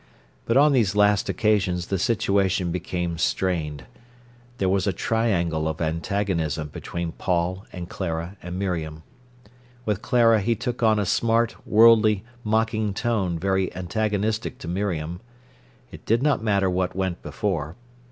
But on these last occasions the situation became strained. There was a triangle of antagonism between Paul and Clara and Miriam. With Clara he took on a smart, worldly, mocking tone very antagonistic to Miriam. It did not matter what went before.